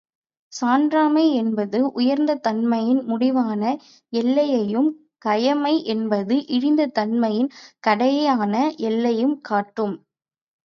சான்றாண்மை என்பது உயர்ந்த தன்மையின் முடிவான எல்லையையும், கயமை என்பது இழிந்த தன்மையின் கடையான எல்லையையும் காட்டும்.